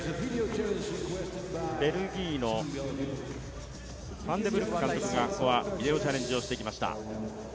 ベルギーのファンデブルック監督がここはビデオチャレンジをしてきました。